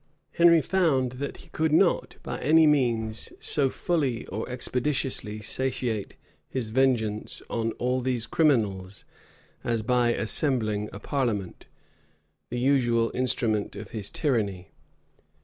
{1542.} Henry found that he could not by any means so fully or expeditiously satiate his vengeance on all these criminals as by assembling a parliament, the usual instrument of his tyranny.